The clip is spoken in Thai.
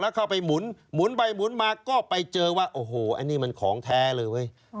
เข้าไปหมุนไปหมุนมาก็ไปเจอว่าโอ้โหอันนี้มันของแท้เลยเว้ย